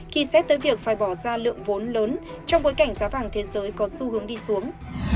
khi xét tới việc phải bỏ ra lượng vốn lớn trong bối cảnh giá vàng thế giới có xu hướng đi xuống